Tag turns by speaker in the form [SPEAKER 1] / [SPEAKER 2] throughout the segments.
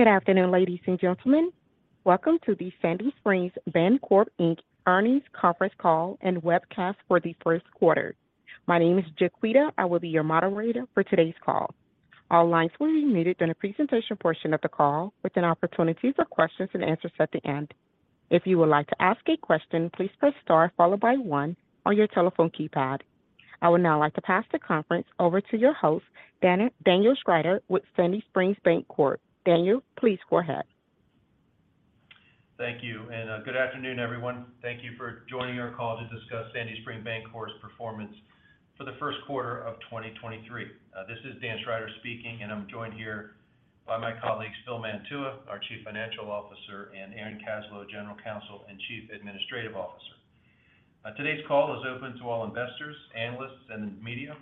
[SPEAKER 1] Good afternoon, ladies and gentlemen. Welcome to the Sandy Spring Bancorp, Inc. Earnings Conference Call and Webcast for the first quarter. My name is Jaquita. I will be your moderator for today's call. All lines will be muted during the presentation portion of the call with an opportunity for questions and answers at the end. If you would like to ask a question, please press star followed by one on your telephone keypad. I would now like to pass the conference over to your host, Daniel Schrider with Sandy Spring Bancorp. Daniel, please go ahead.
[SPEAKER 2] Thank you, good afternoon, everyone. Thank you for joining our call to discuss Sandy Spring Bancorp's performance for the first quarter of 2023. This is Dan Schrider speaking, and I'm joined here by my colleagues, Phil Mantua, our Chief Financial Officer, and Aaron Kaslow General Counsel and Chief Administrative Officer. Today's call is open to all investors, analysts, and media.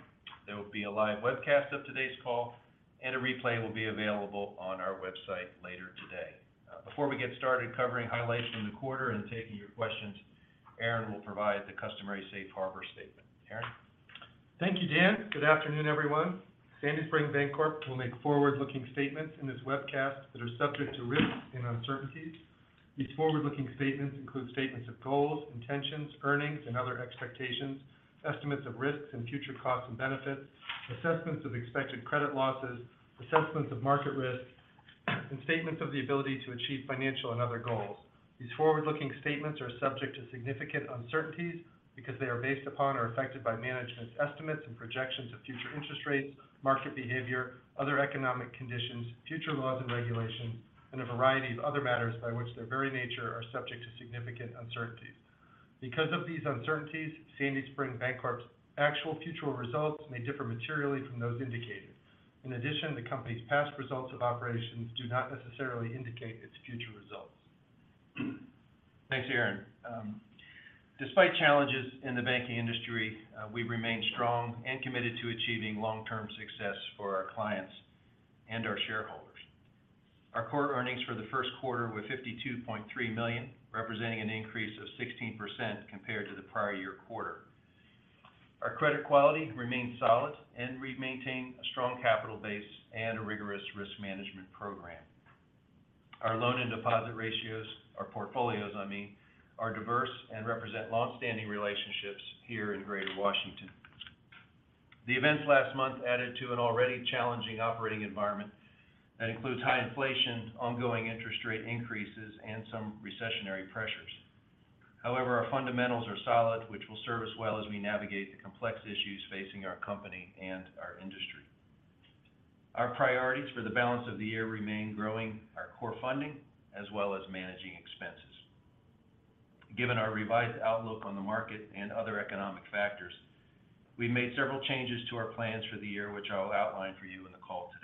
[SPEAKER 2] There will be a live webcast of today's call, and a replay will be available on our website later today. Before we get started covering highlights from the quarter and taking your questions, Aaron will provide the customary safe harbor statement. Aaron?
[SPEAKER 3] Thank you, Dan. Good afternoon, everyone. Sandy Spring Bancorp will make forward-looking statements in this webcast that are subject to risks and uncertainties. These forward-looking statements include statements of goals, intentions, earnings, and other expectations, estimates of risks and future costs and benefits, assessments of expected credit losses, assessments of market risks, and statements of the ability to achieve financial and other goals. These forward-looking statements are subject to significant uncertainties because they are based upon or affected by management's estimates and projections of future interest rates, market behavior, other economic conditions, future laws and regulations, and a variety of other matters by which their very nature are subject to significant uncertainties. Because of these uncertainties, Sandy Spring Bancorp's actual future results may differ materially from those indicated. In addition, the company's past results of operations do not necessarily indicate its future results.
[SPEAKER 2] Thanks, Aaron. Despite challenges in the banking industry, we remain strong and committed to achieving long-term success for our clients and our shareholders. Our core earnings for the first quarter were $52.3 million, representing an increase of 16% compared to the prior year quarter. Our credit quality remains solid. We maintain a strong capital base and a rigorous risk management program. Our loan and deposit our portfolios, I mean, are diverse and represent long-standing relationships here in Greater Washington. The events last month added to an already challenging operating environment that includes high inflation, ongoing interest rate increases, and some recessionary pressures. Our fundamentals are solid, which will serve us well as we navigate the complex issues facing our company and our industry. Our priorities for the balance of the year remain growing our core funding as well as managing expenses. Given our revised outlook on the market and other economic factors, we've made several changes to our plans for the year, which I'll outline for you in the call today.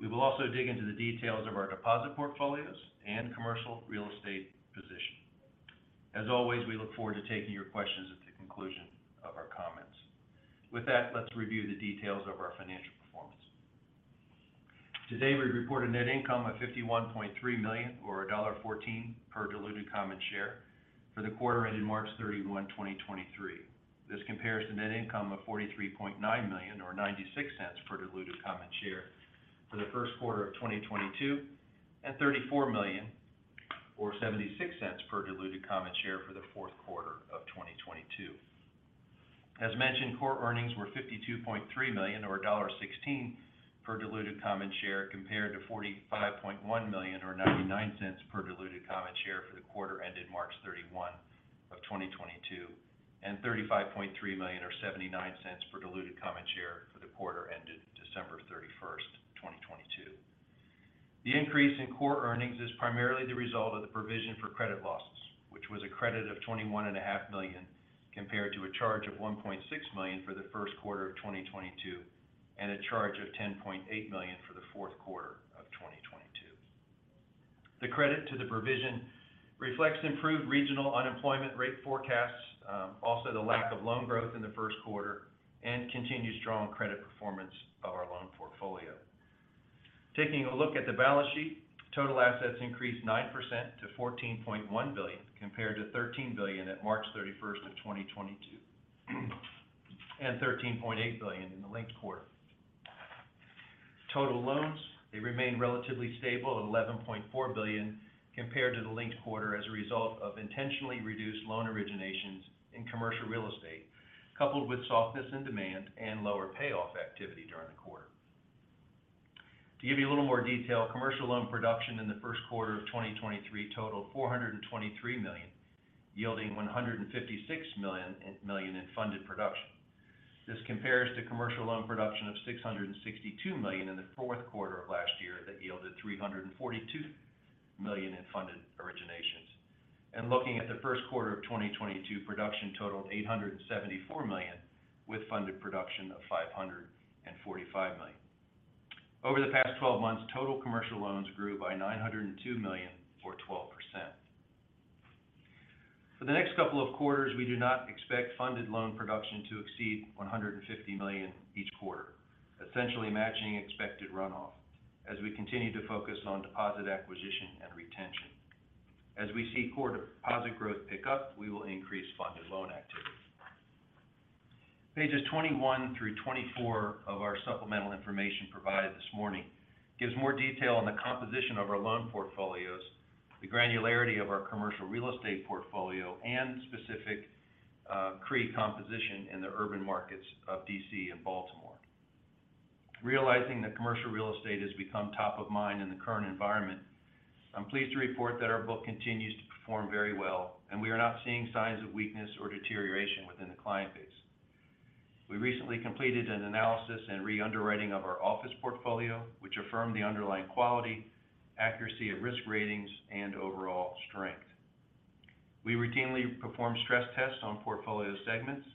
[SPEAKER 2] We will also dig into the details of our deposit portfolios and commercial real estate position. As always, we look forward to taking your questions at the conclusion of our comments. With that, let's review the details of our financial performance. Today, we report a net income of $51.3 million or $1.14 per diluted common share for the quarter ended March 31, 2023. This compares to net income of $43.9 million or $0.96 per diluted common share for the first quarter of 2022, and $34 million or $0.76 per diluted common share for the fourth quarter of 2022. As mentioned, core earnings were $52.3 million or $1.16 per diluted common share compared to $45.1 million or $0.99 per diluted common share for the quarter ended March 31, 2022, and $35.3 million or $0.79 per diluted common share for the quarter ended December 31, 2022. The increase in core earnings is primarily the result of the provision for credit losses, which was a credit of $21.5 million compared to a charge of $1.6 million for the first quarter of 2022 and a charge of $10.8 million for the fourth quarter of 2022. The credit to the provision reflects improved regional unemployment rate forecasts, also the lack of loan growth in the first quarter and continued strong credit performance of our loan portfolio. Taking a look at the balance sheet, total assets increased 9% to $14.1 billion compared to $13 billion at March 31, 2022 and $13.8 billion in the linked quarter. Total loans, they remain relatively stable at $11.4 billion compared to the linked quarter as a result of intentionally reduced loan originations in commercial real estate, coupled with softness in demand and lower payoff activity during the quarter. To give you a little more detail, commercial loan production in the first quarter of 2023 totaled $423 million, yielding $156 million in funded production. This compares to commercial loan production of $662 million in the fourth quarter of last year that yielded $342 million in funded originations. Looking at the first quarter of 2022, production totaled $874 million with funded production of $545 million. Over the past 12 months, total commercial loans grew by $902 million, or 12%. For the next couple of quarters, we do not expect funded loan production to exceed $150 million each quarter, essentially matching expected runoff as we continue to focus on deposit acquisition and retention. As we see core deposit growth pick up, we will increase funded loan activity. Pages 21 through 24 of our supplemental information provided this morning gives more detail on the composition of our loan portfolios, the granularity of our commercial real estate portfolio, and specific CRE composition in the urban markets of D.C. and Baltimore. Realizing that commercial real estate has become top of mind in the current environment, I'm pleased to report that our book continues to perform very well, and we are not seeing signs of weakness or deterioration within the client base. We recently completed an analysis and re-underwriting of our office portfolio, which affirmed the underlying quality, accuracy of risk ratings, and overall strength. We routinely perform stress tests on portfolio segments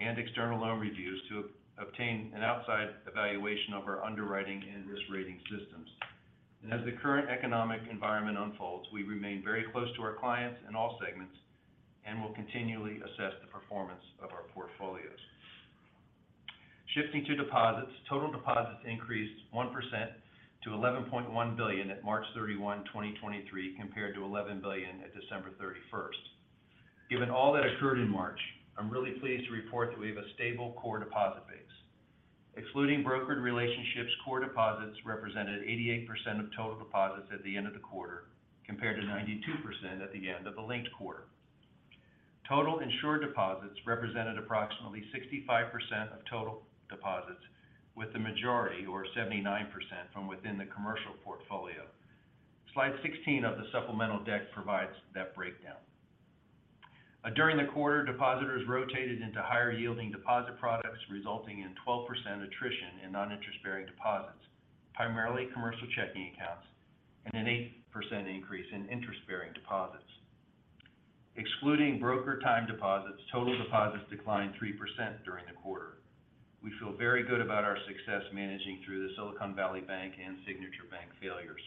[SPEAKER 2] and external loan reviews to obtain an outside evaluation of our underwriting and risk rating systems. As the current economic environment unfolds, we remain very close to our clients in all segments and will continually assess the performance of our portfolios. Shifting to deposits, total deposits increased 1% to $11.1 billion at March 31, 2023, compared to $11 billion at December 31st. Given all that occurred in March, I'm really pleased to report that we have a stable core deposit base. Excluding brokered relationships, core deposits represented 88% of total deposits at the end of the quarter, compared to 92% at the end of the linked quarter. Total insured deposits represented approximately 65% of total deposits, with the majority or 79% from within the commercial portfolio. Slide 16 of the supplemental deck provides that breakdown. During the quarter, depositors rotated into higher-yielding deposit products, resulting in 12% attrition in non-interest-bearing deposits, primarily commercial checking accounts, and an 8% increase in interest-bearing deposits. Excluding broker time deposits, total deposits declined 3% during the quarter. We feel very good about our success managing through the Silicon Valley Bank and Signature Bank failures.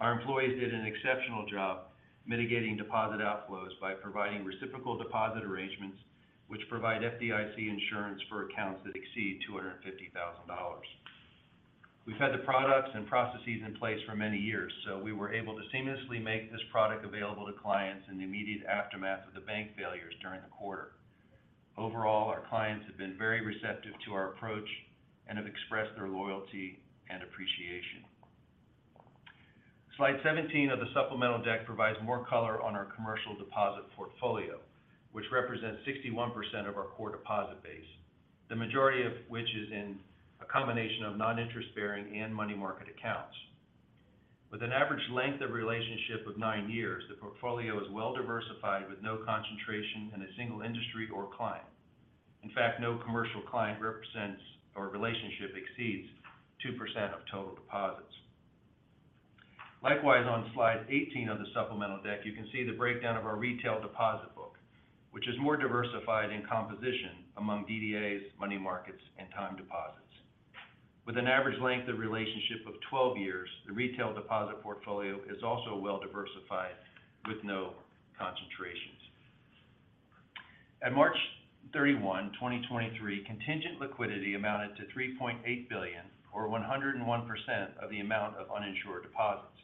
[SPEAKER 2] Our employees did an exceptional job mitigating deposit outflows by providing reciprocal deposit arrangements which provide FDIC insurance for accounts that exceed $250,000. We've had the products and processes in place for many years, we were able to seamlessly make this product available to clients in the immediate aftermath of the bank failures during the quarter. Overall, our clients have been very receptive to our approach and have expressed their loyalty and appreciation. Slide 17 of the supplemental deck provides more color on our commercial deposit portfolio, which represents 61% of our core deposit base, the majority of which is in a combination of non-interest bearing and money market accounts. With an average length of relationship of nine years, the portfolio is well diversified with no concentration in a single industry or client. In fact, no commercial client represents or relationship exceeds 2% of total deposits. Likewise, on slide 18 of the supplemental deck, you can see the breakdown of our retail deposit book, which is more diversified in composition among DDAs, money markets, and time deposits. With an average length of relationship of 12 years, the retail deposit portfolio is also well diversified with no concentrations. At March 31, 2023, contingent liquidity amounted to $3.8 billion, or 101% of the amount of uninsured deposits,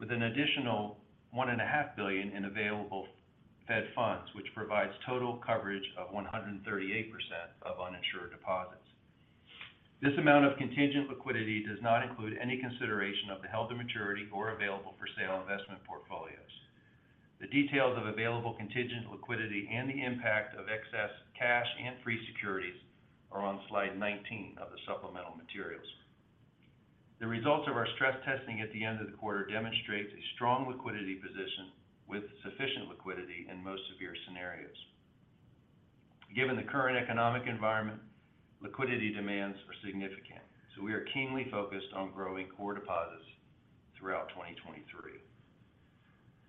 [SPEAKER 2] with an additional $1.5 billion in available Fed funds which provides total coverage of 138% of uninsured deposits. This amount of contingent liquidity does not include any consideration of the held-to-maturity or available-for-sale investment portfolios. The details of available contingent liquidity and the impact of excess cash and free securities are on slide 19 of the supplemental materials. The results of our stress testing at the end of the quarter demonstrates a strong liquidity position with sufficient liquidity in most severe scenarios. Given the current economic environment, liquidity demands are significant, so we are keenly focused on growing core deposits throughout 2023.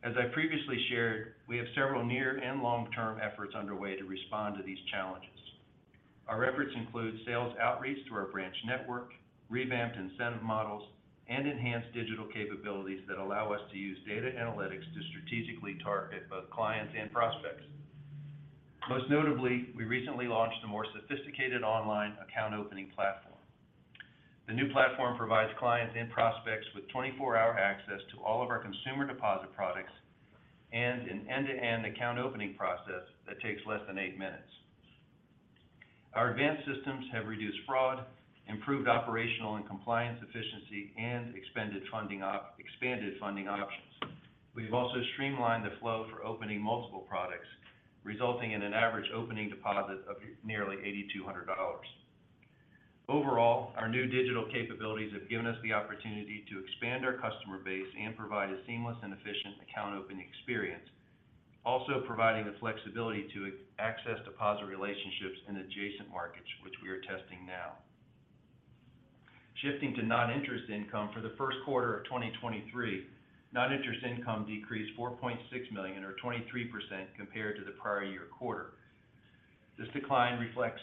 [SPEAKER 2] As I previously shared, we have several near and long-term efforts underway to respond to these challenges. Our efforts include sales outreach through our branch network, revamped incentive models, and enhanced digital capabilities that allow us to use data analytics to strategically target both clients and prospects. Most notably, we recently launched a more sophisticated online account opening platform. The new platform provides clients and prospects with 24-hour access to all of our consumer deposit products and an end-to-end account opening process that takes less than 8 minutes. Our advanced systems have reduced fraud, improved operational and compliance efficiency, and expanded funding options. We've also streamlined the flow for opening multiple products, resulting in an average opening deposit of nearly $8,200. Overall, our new digital capabilities have given us the opportunity to expand our customer base and provide a seamless and efficient account opening experience, also providing the flexibility to access deposit relationships in adjacent markets which we are testing now. Shifting to non-interest income for the first quarter of 2023, non-interest income decreased $4.6 million or 23% compared to the prior year quarter. This decline reflects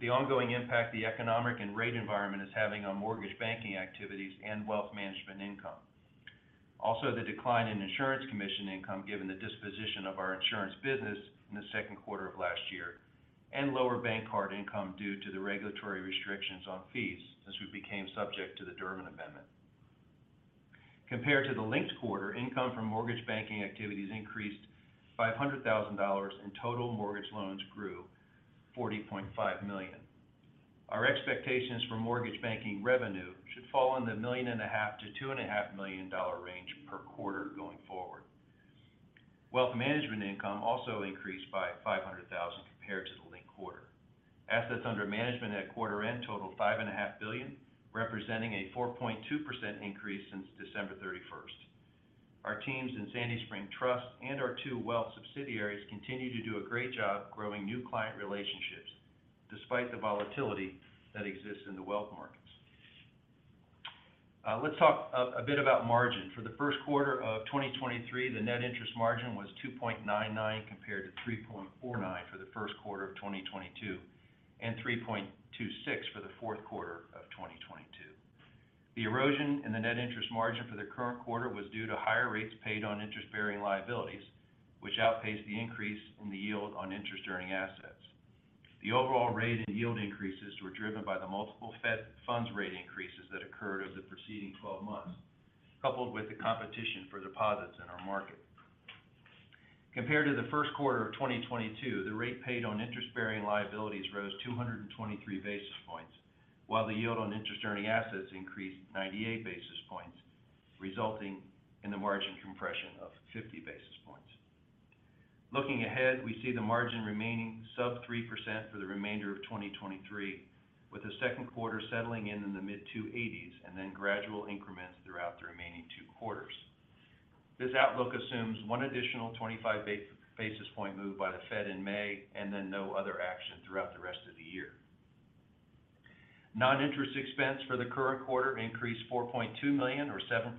[SPEAKER 2] the ongoing impact the economic and rate environment is having on mortgage banking activities and wealth management income. The decline in insurance commission income given the disposition of our insurance business in the second quarter of last year and lower bank card income due to the regulatory restrictions on fees as we became subject to the Durbin Amendment. Compared to the linked quarter, income from mortgage banking activities increased by $100,000, and total mortgage loans grew $40.5 million. Our expectations for mortgage banking revenue should fall in the million and a half to two and a half million dollar range per quarter going forward. Wealth management income also increased by $500,000 compared to the linked quarter. Assets under management at quarter end totaled five and a half billion, representing a 4.2% increase since December 31st. Our teams in Sandy Spring Trust and our two wealth subsidiaries continue to do a great job growing new client relationships despite the volatility that exists in the wealth markets. Let's talk a bit about margin. For the first quarter of 2023, the net interest margin was 2.99 compared to 3.49 for the first quarter of 2022, and 3.26 for the fourth quarter of 2022. The erosion in the net interest margin for the current quarter was due to higher rates paid on interest-bearing liabilities, which outpaced the increase in the yield on interest-earning assets. The overall rate in yield increases were driven by the multiple Fed funds rate increases that occurred over the preceding 12 months, coupled with the competition for deposits in our market. Compared to the 1st quarter of 2022, the rate paid on interest-bearing liabilities rose 223 basis points, while the yield on interest-earning assets increased 98 basis points, resulting in the margin compression of 50 basis points. Looking ahead, we see the margin remaining sub 3% for the remainder of 2023, with the 2nd quarter settling in in the mid 280s, and then gradual increments throughout the remaining 2 quarters. This outlook assumes 1 additional 25 basis point move by the Fed in May, and then no other action throughout the rest of the year. Non-interest expense for the current quarter increased $4.2 million or 7%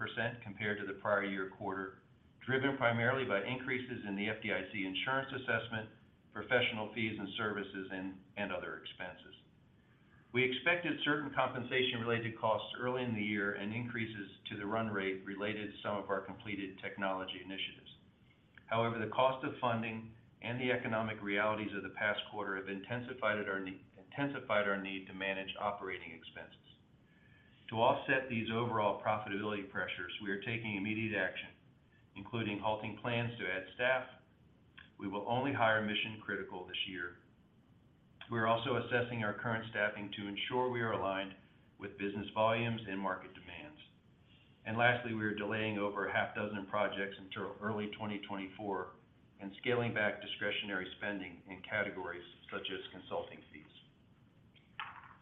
[SPEAKER 2] compared to the prior year quarter, driven primarily by increases in the FDIC insurance assessment, professional fees and services and other expenses. We expected certain compensation-related costs early in the year and increases to the run rate related to some of our completed technology initiatives. However, the cost of funding and the economic realities of the past quarter have intensified our need to manage operating expenses. To offset these overall profitability pressures, we are taking immediate action, including halting plans to add staff. We will only hire mission-critical this year. We're also assessing our current staffing to ensure we are aligned with business volumes and market demands. Lastly, we are delaying over a half dozen projects until early 2024 and scaling back discretionary spending in categories such as consulting fees.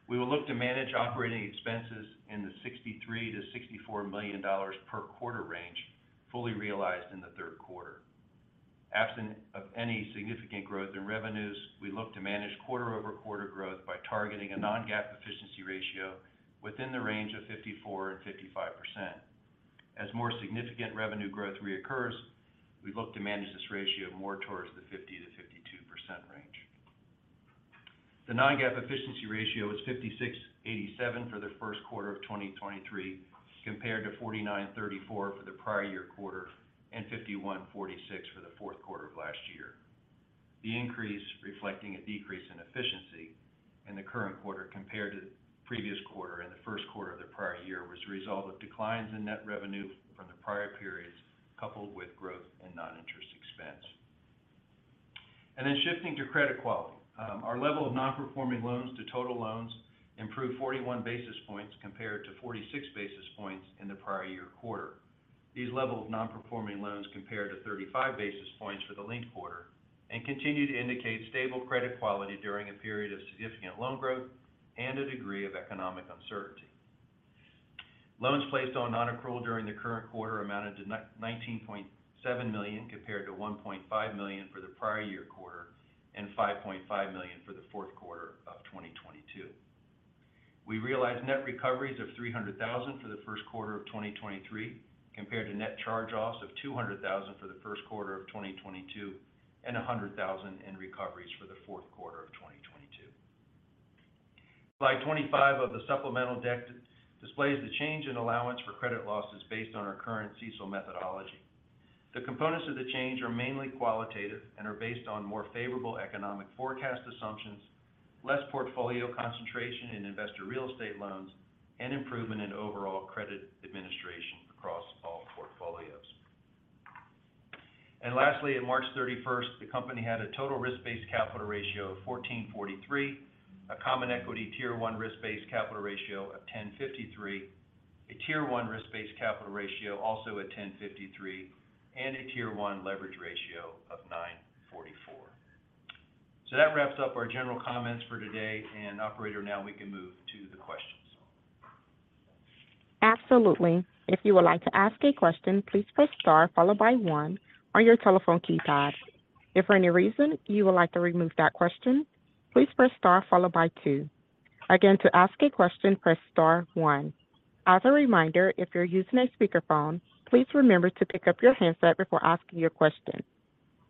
[SPEAKER 2] We will look to manage operating expenses in the $63 million to $64 million per quarter range, fully realized in the third quarter. In the absence of any significant growth in revenues, we look to manage quarter-over-quarter growth by targeting a non-GAAP efficiency ratio within the range of 54%-55%. As more significant revenue growth reoccurs, we look to manage this ratio more towards the 50%-52% range. The non-GAAP efficiency ratio is 56.87% for the first quarter of 2023, compared to 49.34% for the prior year quarter and 51.46% for the fourth quarter of last year. The increase reflecting a decrease in efficiency in the current quarter compared to the previous quarter and the first quarter of the prior year was a result of declines in net revenue from the prior periods, coupled with growth in non-interest expense. Shifting to credit quality. Our level of non-performing loans to total loans improved 41 basis points compared to 46 basis points in the prior year quarter. These level of non-performing loans compared to 35 basis points for the linked quarter and continue to indicate stable credit quality during a period of significant loan growth and a degree of economic uncertainty. Loans placed on non-accrual during the current quarter amounted to $19.7 million compared to $1.5 million for the prior year quarter and $5.5 million for the fourth quarter of 2022. We realized net recoveries of $300,000 for the first quarter of 2023 compared to net charge-offs of $200,000 for the first quarter of 2022 and $100,000 in recoveries for the fourth quarter of 2022. Slide 25 of the supplemental deck displays the change in allowance for credit losses based on our current CECL methodology. The components of the change are mainly qualitative and are based on more favorable economic forecast assumptions, less portfolio concentration in investor real estate loans, and improvement in overall credit administration across all portfolios. Lastly, on March 31st, the company had a total risk-based capital ratio of 14.43%, a Common Equity Tier 1 risk-based capital ratio of 10.53%, a Tier 1 risk-based capital ratio also at 10.53%, and a Tier 1 leverage ratio of 9.44%. That wraps up our general comments for today. Operator, now we can move to the questions.
[SPEAKER 1] Absolutely. If you would like to ask a question, please press star followed by one on your telephone keypad. If for any reason you would like to remove that question, please press star followed by two. Again, to ask a question, press star one. As a reminder, if you're using a speakerphone, please remember to pick up your handset before asking your question.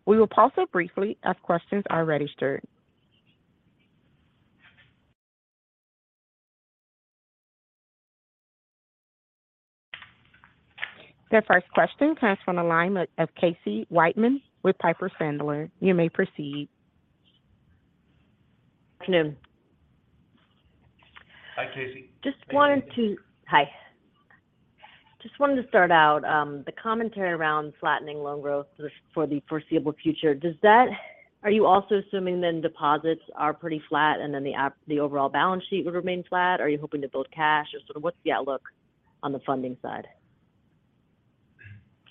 [SPEAKER 1] We will pause briefly as questions are registered. The first question comes from the line of Casey Whitman with Piper Sandler. You may proceed.
[SPEAKER 4] Afternoon.
[SPEAKER 5] Hi, Casey.
[SPEAKER 4] Hi. Just wanted to start out, the commentary around flattening loan growth for the foreseeable future. Are you also assuming then deposits are pretty flat and then the overall balance sheet would remain flat? Are you hoping to build cash? Just sort of what's the outlook on the funding side?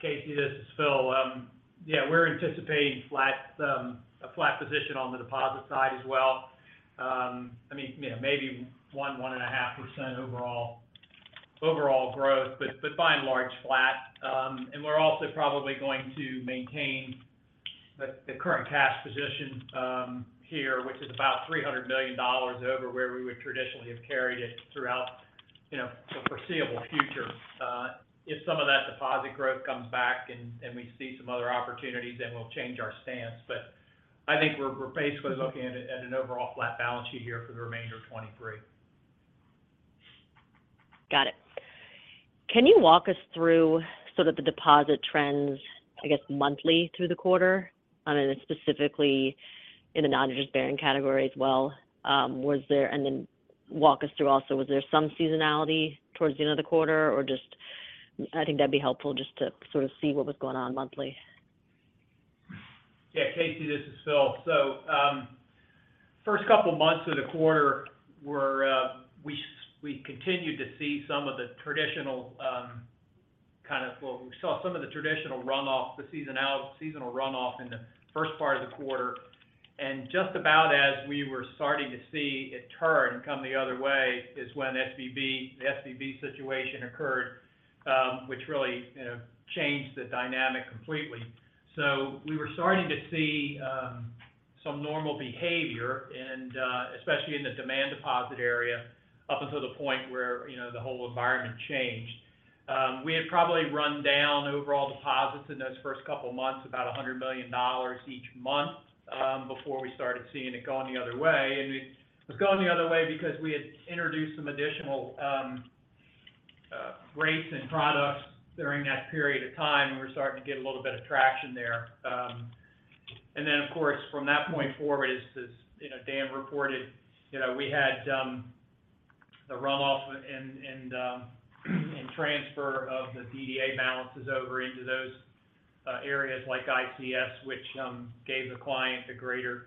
[SPEAKER 5] Casey, this is Phil. We're anticipating flat, a flat position on the deposit side as well. I mean, you know, maybe 1.5% overall growth, but by and large, flat. We're also probably going to maintain the current cash position here, which is about $300 million over where we would traditionally have carried it throughout, you know, the foreseeable future. If some of that deposit growth comes back and we see some other opportunities, then we'll change our stance. I think we're basically looking at an overall flat balance sheet here for the remainder of 2023.
[SPEAKER 4] Got it. Can you walk us through sort of the deposit trends, I guess, monthly through the quarter? Specifically in the non-interest-bearing category as well. Walk us through also, was there some seasonality towards the end of the quarter? I think that'd be helpful just to sort of see what was going on monthly.
[SPEAKER 5] Yeah, Casey Whitman, this is Phil. First couple months of the quarter were, we continued to see some of the traditional. Well, we saw some of the traditional runoff, seasonal runoff in the first part of the quarter. Just about as we were starting to see it turn and come the other way is when SVB, the SVB situation occurred, which really, you know, changed the dynamic completely. We were starting to see some normal behavior and, especially in the demand deposit area, up until the point where, you know, the whole environment changed. We had probably run down overall deposits in those first couple months, about $100 million each month, before we started seeing it going the other way. It was going the other way because we had introduced some additional rates and products during that period of time, and we were starting to get a little bit of traction there. Then of course, from that point forward, as you know, Dan reported, you know, we had the runoff and transfer of the DDA balances over into those areas like ICS, which gave the client a greater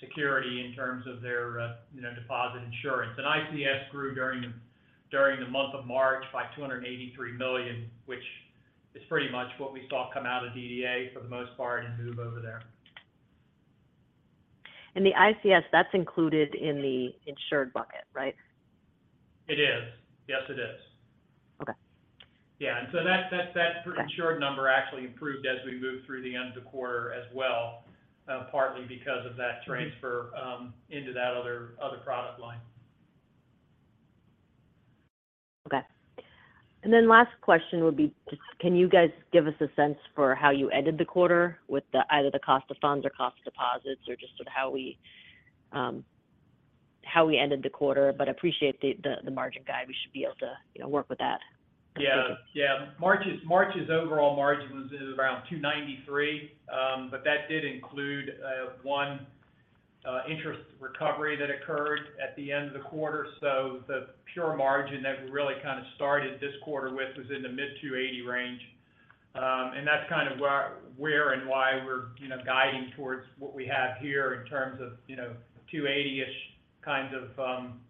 [SPEAKER 5] security in terms of their, you know, deposit insurance. ICS grew during the month of March by $283 million, which is pretty much what we saw come out of DDA for the most part and move over there.
[SPEAKER 4] The ICS, that's included in the insured bucket, right?
[SPEAKER 5] It is. Yes, it is. That insured number actually improved as we moved through the end of the quarter as well, partly because of that transfer, into that other product line.
[SPEAKER 4] Okay. Last question would be just can you guys give us a sense for how you ended the quarter with either the cost of funds or cost of deposits or just sort of how we, how we ended the quarter? Appreciate the margin guide. We should be able to, you know, work with that.
[SPEAKER 5] Yeah, March's overall margin was, is around 2.93%. That did include 1 interest recovery that occurred at the end of the quarter. The pure margin that we really kind of started this quarter with was in the mid 2.80% range. That's kind of where and why we're, you know, guiding towards what we have here in terms of, you know, 2.80%-ish kinds of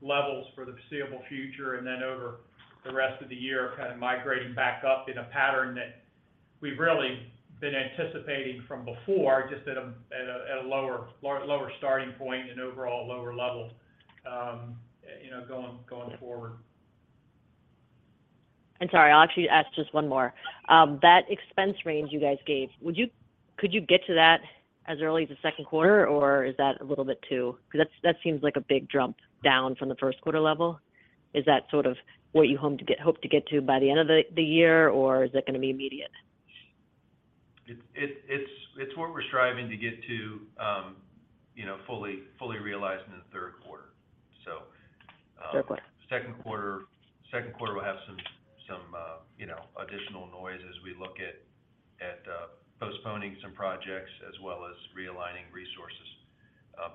[SPEAKER 5] levels for the foreseeable future. Then over the rest of the year, kind of migrating back up in a pattern that we've really been anticipating from before, just at a lower starting point and overall lower level, you know, going forward.
[SPEAKER 4] Sorry, I'll actually ask just one more. That expense range you guys gave, could you get to that as early as the second quarter, or is that a little bit too? Because that seems like a big jump down from the first quarter level. Is that sort of what you hope to get to by the end of the year, or is it going to be immediate?
[SPEAKER 2] It's what we're striving to get to, you know, fully realized in the third quarter. Second quarter we'll have some, you know, additional noise as we look at postponing some projects as well as realigning resources,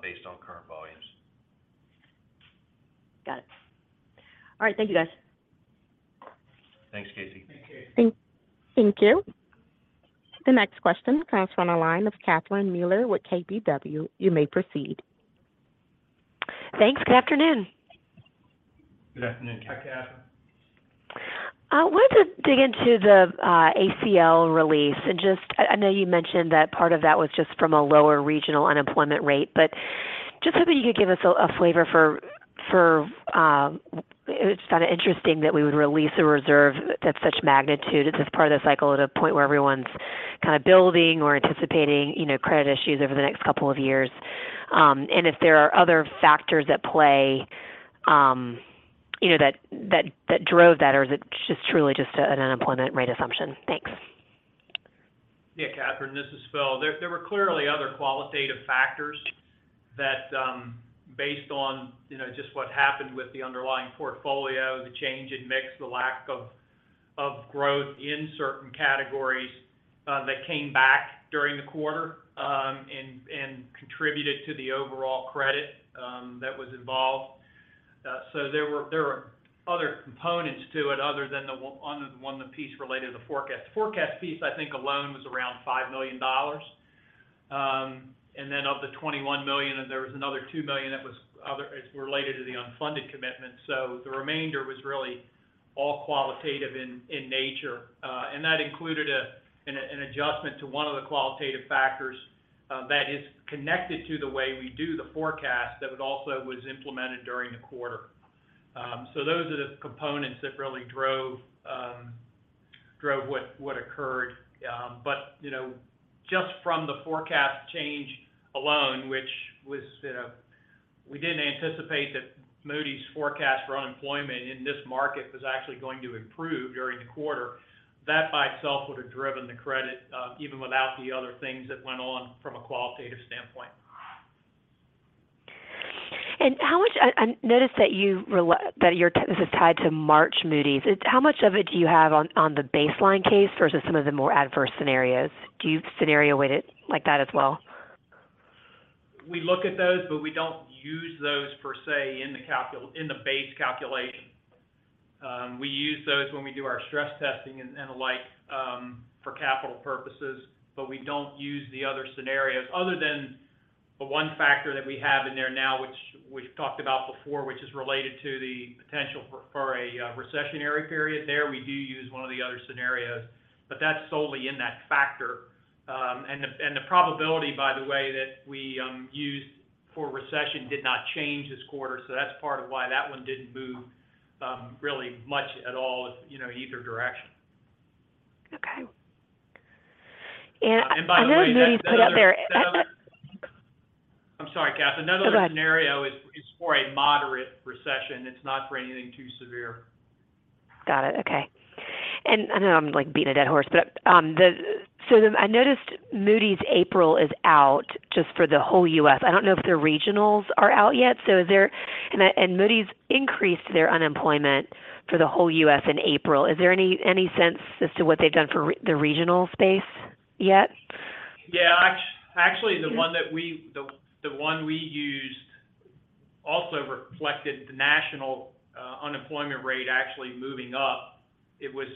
[SPEAKER 2] based on current volumes.
[SPEAKER 4] Got it. All right. Thank you, guys.
[SPEAKER 2] Thanks, Casey.
[SPEAKER 5] Thanks, Casey.
[SPEAKER 1] Thank you. The next question comes from the line of Catherine Mealor with KBW. You may proceed.
[SPEAKER 6] Thanks. Good afternoon.
[SPEAKER 5] Good afternoon, Catherine.
[SPEAKER 6] I wanted to dig into the ACL release. I know you mentioned that part of that was just from a lower regional unemployment rate. Just hoping you could give us a flavor for. It's kind of interesting that we would release a reserve that's such magnitude. It's just part of the cycle at a point where everyone's kind of building or anticipating, you know, credit issues over the next couple of years. If there are other factors at play, you know, that drove that, or is it just truly just an unemployment rate assumption? Thanks.
[SPEAKER 5] Yeah, Catherine, this is Phil. There were clearly other qualitative factors that, based on, you know, just what happened with the underlying portfolio, the change in mix, the lack of growth in certain categories, that came back during the quarter, and contributed to the overall credit that was involved. There were other components to it other than the piece related to the forecast. The forecast piece, I think alone was around $5 million. Of the $21 million, there was another $2 million that was other-related to the unfunded commitment. The remainder was really all qualitative in nature. That included an adjustment to one of the qualitative factors that is connected to the way we do the forecast that was also implemented during the quarter. Those are the components that really drove what occurred. You know, just from the forecast change alone, which was, you know, we didn't anticipate that Moody's forecast for unemployment in this market was actually going to improve during the quarter. That by itself would've driven the credit, even without the other things that went on from a qualitative standpoint.
[SPEAKER 6] How much? I noticed that you that your this is tied to March Moody's. How much of it do you have on the baseline case versus some of the more adverse scenarios? Do you scenario weight it like that as well?
[SPEAKER 5] We look at those, but we don't use those per se in the base calculation. We use those when we do our stress testing and the like, for capital purposes, but we don't use the other scenarios other than the 1 factor that we have in there now, which we've talked about before, which is related to the potential for a recessionary period. There we do use 1 of the other scenarios, but that's solely in that factor. The probability, by the way, that we use for recession did not change this quarter. That's part of why that 1 didn't move, really much at all, you know, either direction. Another scenario is for a moderate recession. It's not for anything too severe.
[SPEAKER 6] Got it. Okay. I know I'm like beating a dead horse, but, I noticed Moody's April is out just for the whole U.S. I don't know if their regionals are out yet. Moody's increased their unemployment for the whole U.S. in April. Is there any sense as to what they've done for the regional space yet?
[SPEAKER 5] Yeah. actually the one that we, the one we used also reflected the national unemployment rate actually moving up. It was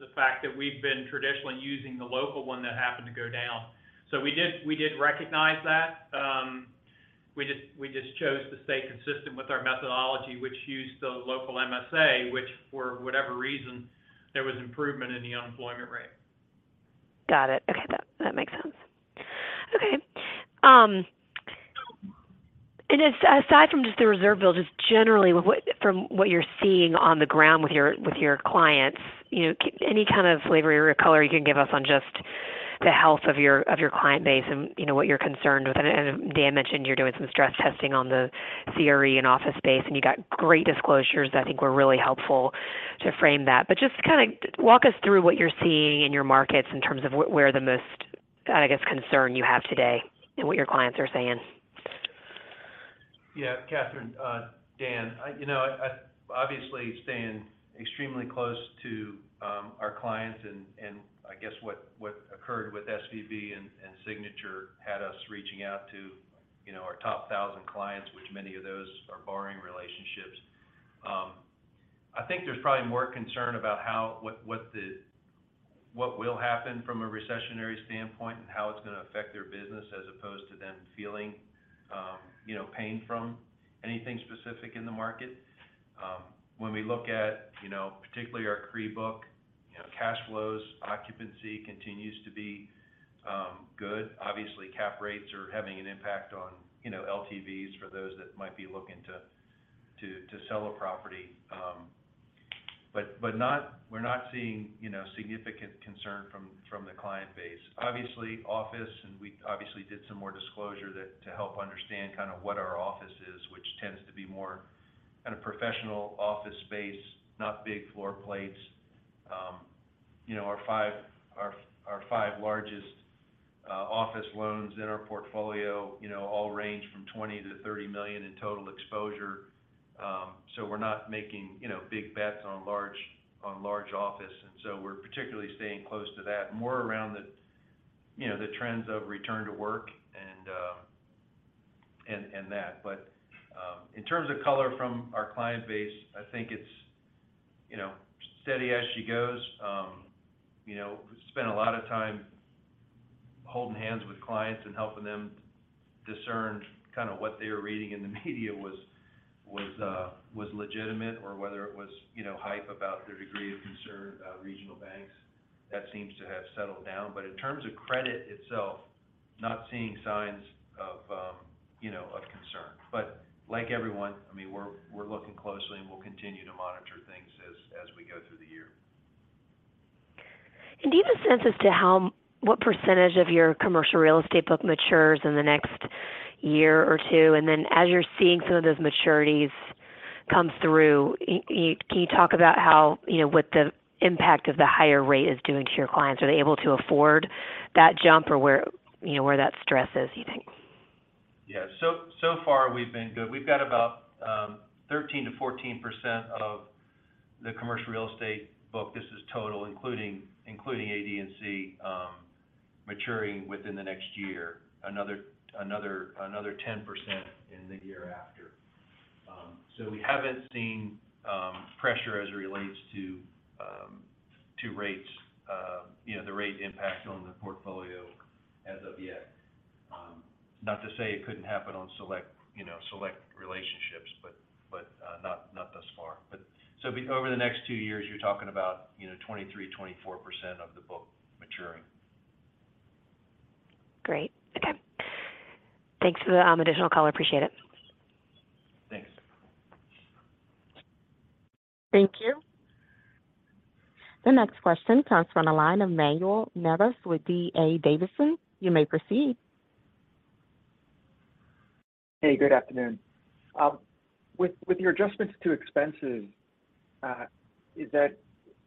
[SPEAKER 5] the fact that we've been traditionally using the local one that happened to go down. We did recognize that, we just chose to stay consistent with our methodology, which used the local MSA, which for whatever reason, there was improvement in the unemployment rate.
[SPEAKER 6] Got it. Okay. That makes sense. Okay. Aside from just the reserve build, just generally what, from what you're seeing on the ground with your, with your clients, you know, any kind of flavor or color you can give us on just the health of your, of your client base and, you know, what you're concerned with. Dan mentioned you're doing some stress testing on the CRE and office space, and you got great disclosures I think were really helpful to frame that. Just kind of walk us through what you're seeing in your markets in terms of where the most, I guess, concern you have today and what your clients are saying.
[SPEAKER 2] Yeah. Kathryn, Dan, you know, I, obviously staying extremely close to our clients and I guess what occurred with SVB and Signature Bank had us reaching out to, you know, our top 1,000 clients, which many of those are borrowing relationships. I think there's probably more concern about how what the, what will happen from a recessionary standpoint and how it's gonna affect their business as opposed to them feeling, you know, pain from anything specific in the market. When we look at, you know, particularly our CRE book, you know, cash flows, occupancy continues to be good. Obviously, cap rates are having an impact on, you know, LTVs for those that might be looking to sell a property. But not, we're not seeing, you know, significant concern from the client base. Obviously office. We obviously did some more disclosure to help understand kind of what our office is, which tends to be more professional office space, not big floor plates. Our five largest office loans in our portfolio, you know, all range from $20 million to $30 million in total exposure. We're not making, you know, big bets on large office. We're particularly staying close to that, more around the trends of return to work and that. In terms of color from our client base, I think it's steady as she goes. We spent a lot of time holding hands with clients and helping them discern what they were reading in the media was legitimate or whether it was, you know, hype about their degree of concern about regional banks. That seems to have settled down. In terms of credit itself, not seeing signs of concern. Like everyone, we're looking closely, and we'll continue to monitor things as we go through the year.
[SPEAKER 6] Do you have a sense as to how what percentage of your commercial real estate book matures in the next year or two? As you're seeing some of those maturities come through, can you talk about how, you know, what the impact of the higher rate is doing to your clients? Are they able to afford that jump or where, you know, where that stress is, you think?
[SPEAKER 2] So far we've been good. We've got about 13%-14% of the commercial real estate book. This is total, including AD&C, maturing within the next year. Another 10% in the year after. We haven't seen pressure as it relates to rates, you know, the rate impact on the portfolio as of yet. Not to say it couldn't happen on select relationships, but not thus far. Over the next two years, you're talking about, you know, 23%-24% of the book maturing.
[SPEAKER 6] Great. Okay. Thanks for the additional color. Appreciate it.
[SPEAKER 2] Thanks.
[SPEAKER 1] Thank you. The next question comes from the line of Manuel Navas with D.A. Davidson. You may proceed.
[SPEAKER 7] Hey, good afternoon. With your adjustments to expenses,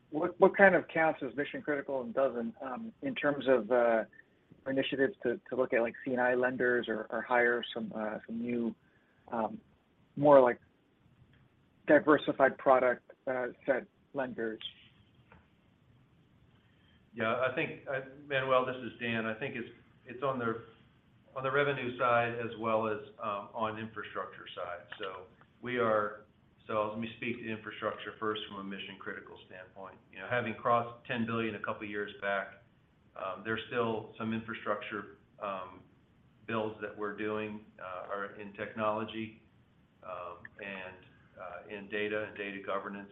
[SPEAKER 7] what counts as mission-critical and doesn't, in terms of initiatives to look at, like, C&I lenders or hire some new more like diversified product set lenders?
[SPEAKER 2] Manuel, this is Dan. I think it's on the revenue side as well as on infrastructure side. Let me speak to infrastructure first from a mission-critical standpoint. Having crossed 10 billion a couple years back, there's still some infrastructure builds that we're doing are in technology and in data and data governance.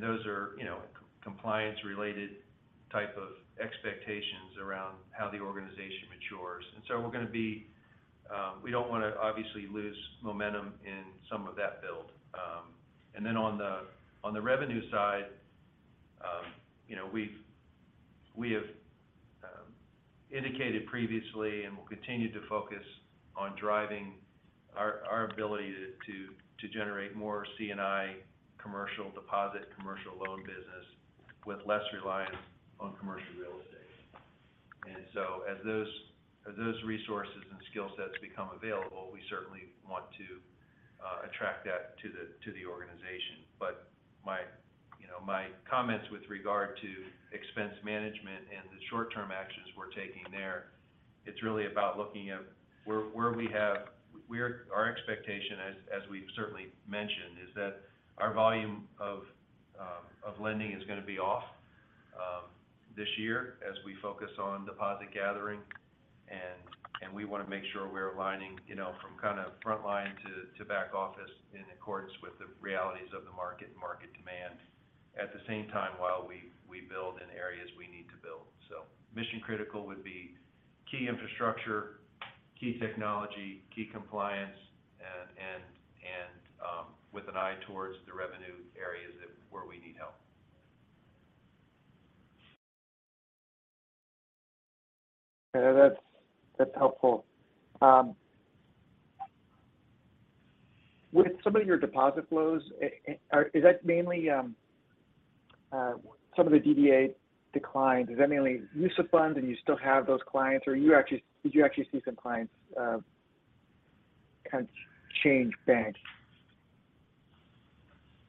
[SPEAKER 2] Those are, you know, compliance-related type of expectations around how the organization matures. We're gonna be we don't wanna obviously lose momentum in some of that build. On the revenue side, we have indicated previously and will continue to focus on driving our ability to generate more C&I commercial deposit, commercial loan business with less reliance on commercial real estate. As those resources and skill sets become available, we certainly want to attract that to the organization. My comments with regard to expense management and the short-term actions we're taking there, it's really about looking at where our expectation as we've certainly mentioned, is that our volume of lending is gonna be off this year as we focus on deposit gathering and we wanna make sure we're aligning from frontline to back office in accordance with the realities of the market and market demand. At the same time, while we build in areas we need to build. Mission critical would be key infrastructure, key technology, key compliance, and, with an eye towards the revenue areas that where we need help.
[SPEAKER 7] That's helpful. With some of your deposit flows, is that mainly some of the DDA declines, is that mainly use of funds and you still have those clients, or did you actually see some clients, kind of change banks?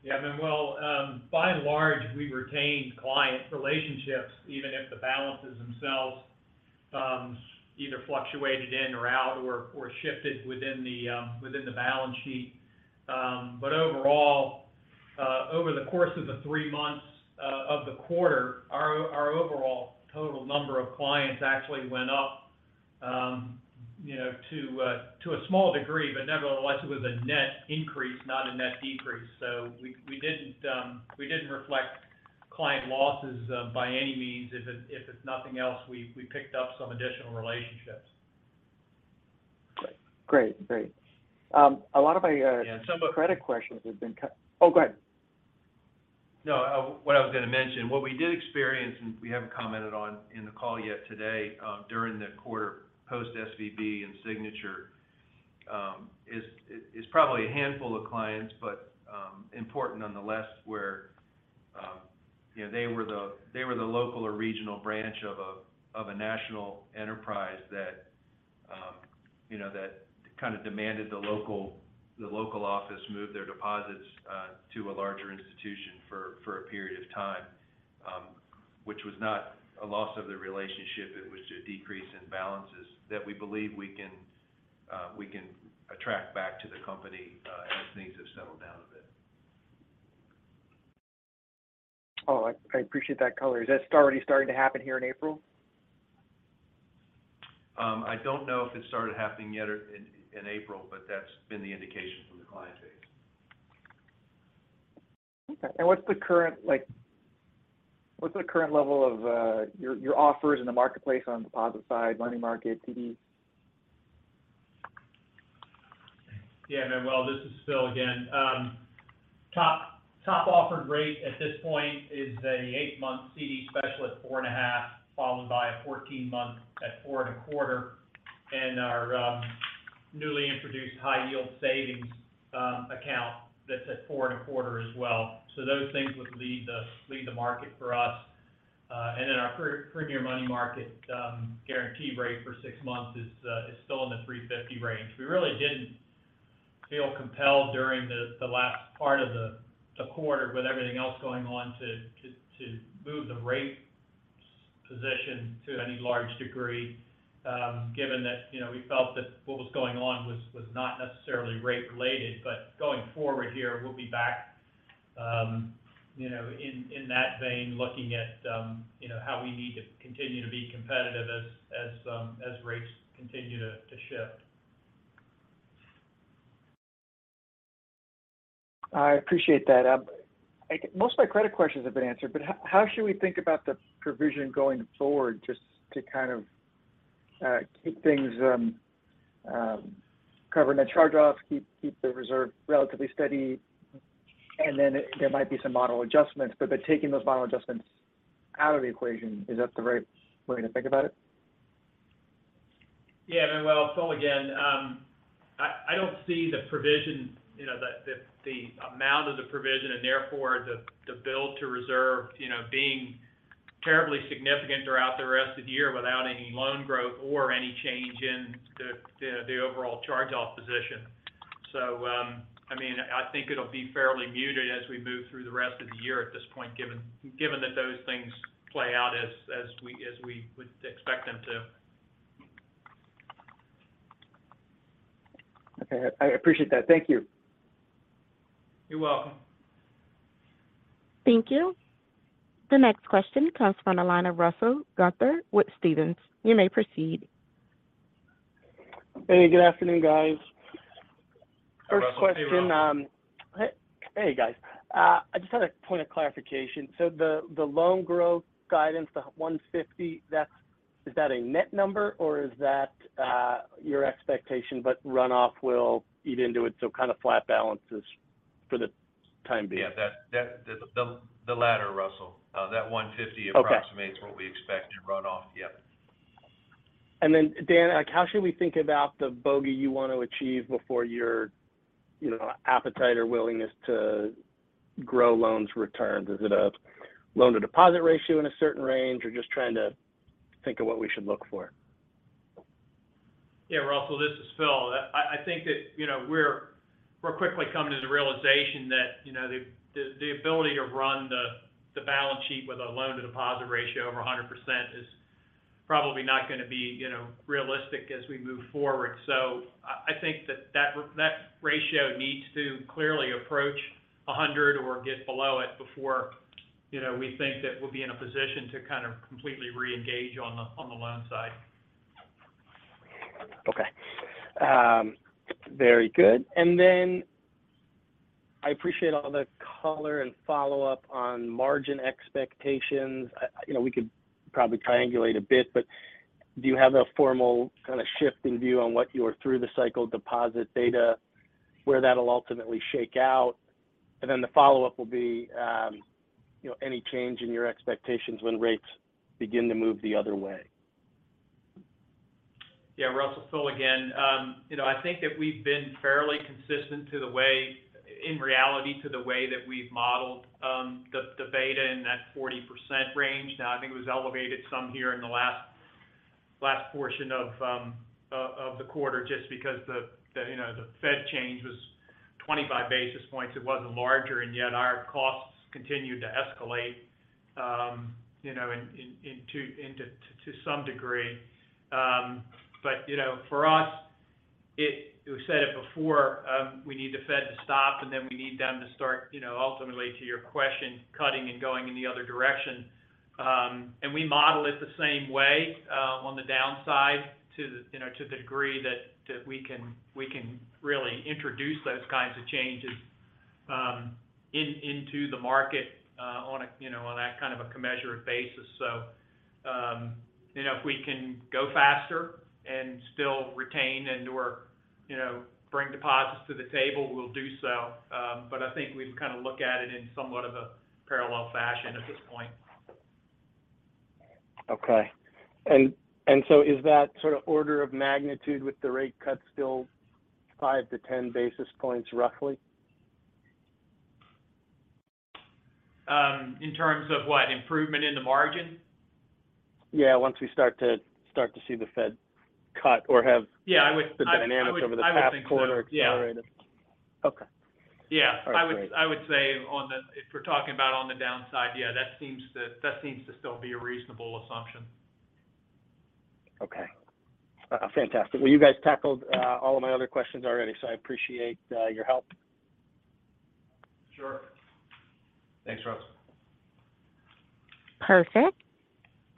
[SPEAKER 2] Manuel, by and large, we retained client relationships, even if the balances themselves, either fluctuated in or out or shifted within the balance sheet. Overall, over the course of the three months of the quarter, our overall total number of clients actually went up, you know, to a small degree, but nevertheless, it was a net increase, not a net decrease. We didn't reflect client losses by any means. If it's nothing else, we picked up some additional relationships.
[SPEAKER 7] Great. A lot of my credit questions have been answered.
[SPEAKER 2] No, what I was gonna mention, what we did experience, and we haven't commented on in the call yet today, during the quarter post SVB and Signature, is probably a handful of clients, but important nonetheless. Where, you know, they were the local or regional branch of a national enterprise that, you know, that kind of demanded the local office move their deposits to a larger institution for a period of time. Which was not a loss of the relationship, it was just a decrease in balances that we believe we can attract back to the company, as things have settled down a bit.
[SPEAKER 7] Oh, I appreciate that color. Is that already starting to happen here in April?
[SPEAKER 2] I don't know if it started happening yet or in April, but that's been the indication from the client base.
[SPEAKER 7] Okay. What's the current level of your offers in the marketplace on deposit side, money market, CDs?
[SPEAKER 5] Manuel, this is Phil again. Top offered rate at this point is a 8-month CD special at 4.5%, followed by a 14-month at 4.25%. Our newly introduced high-yield savings, Account that's at 4.25% as well. Those things would lead the market for us. Our premium money market guarantee rate for 6 months is still in the 3.50% range. We really didn't feel compelled during the last part of the quarter with everything else going on to move the rate position to any large degree, given that, you know, we felt that what was going on was not necessarily rate-related. Going forward here, we'll be back in that vein, looking at how we need to continue to be competitive as rates continue to shift.
[SPEAKER 7] I appreciate that. Most of my credit questions have been answered, but how should we think about the provision going forward just to kind of keep things cover net charge-offs, keep the reserve relatively steady? Then there might be some model adjustments, but by taking those model adjustments out of the equation, is that the right way to think about it?
[SPEAKER 5] Yeah, I mean, well, Phil again. I don't see the provision, you know, the amount of the provision and therefore the build to reserve, you know, being terribly significant throughout the rest of the year without any loan growth or any change in the overall charge-off position. I mean, I think it'll be fairly muted as we move through the rest of the year at this point, given that those things play out as we would expect them to.
[SPEAKER 7] Okay. I appreciate that. Thank you.
[SPEAKER 5] You're welcome.
[SPEAKER 1] Thank you. The next question comes from the line of Russell Gunther with Stephens. You may proceed.
[SPEAKER 8] Hey, good afternoon, guys.
[SPEAKER 5] Hi Russel.
[SPEAKER 8] First question, hey guys. I just had a point of clarification. The loan growth guidance, the 150, is that a net number or is that, your expectation but runoff will eat into it, so kind of flat balances for the time being?
[SPEAKER 5] Yeah, that the latter, Russell approximates what we expect to run off. Yep.
[SPEAKER 8] Dan, like, how should we think about the bogey you want to achieve before your, you know, appetite or willingness to grow loans returns? Is it a loan to deposit ratio in a certain range? Or just trying to think of what we should look for.
[SPEAKER 5] Yeah, Russell, this is Phil. I think that, you know, we're quickly coming to the realization that, you know, the ability to run the balance sheet with a loan to deposit ratio over 100% is probably not gonna be, you know, realistic as we move forward. I think that that ratio needs to clearly approach 100 or get below it before, you know, we think that we'll be in a position to kind of completely reengage on the loan side.
[SPEAKER 8] Okay. Very good. I appreciate all the color and follow-up on margin expectations. you know, we could probably triangulate a bit, but do you have a formal kind of shift in view on what your through the cycle deposit beta, where that'll ultimately shake out? The follow-up will be, you know, any change in your expectations when rates begin to move the other way?
[SPEAKER 5] Russell, Phil again. I think that we've been fairly consistent in reality to the way that we've modeled, the beta in that 40% range. I think it was elevated some here in the last portion of the quarter just because the, you know, the Fed change was 25 basis points. It wasn't larger, and yet our costs continued to escalate, you know, to some degree. For us, we said it before, we need the Fed to stop, and then we need them to start, you know, ultimately to your question, cutting and going in the other direction. We model it the same way, on the downside, to the degree that we can, we can really introduce those changes into the market on that a commensurate basis. If we can go faster and still retain and/or bring deposits to the table, we'll do so. I think we kind of look at it in somewhat of a parallel fashion at this point.
[SPEAKER 8] Okay. Is that sort of order of magnitude with the rate cut still 5-10 basis points roughly?
[SPEAKER 5] In terms of what? Improvement in the margin?
[SPEAKER 8] Once we start to see the Fed cut or the dynamics over the past quarter accelerated.
[SPEAKER 5] I would say, if we're talking about on the downside, that seems to still be a reasonable assumption.
[SPEAKER 8] Okay. fantastic. Well, you guys tackled all of my other questions already, so I appreciate your help.
[SPEAKER 5] Sure. Thanks, Russell.
[SPEAKER 1] Perfect.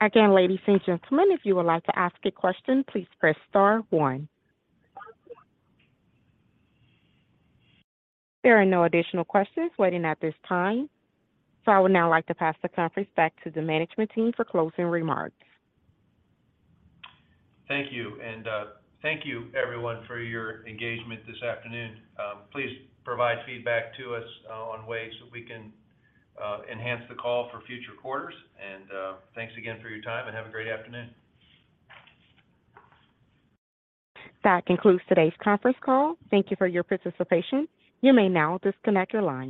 [SPEAKER 1] Again, ladies and gentlemen, if you would like to ask a question, please press star one. There are no additional questions waiting at this time. I would now like to pass the conference back to the management team for closing remarks.
[SPEAKER 2] Thank you. Thank you everyone for your engagement this afternoon. Please provide feedback to us, on ways that we can enhance the call for future quarters. Thanks again for your time and have a great afternoon.
[SPEAKER 1] That concludes today's conference call. Thank you for your participation. You may now disconnect your lines.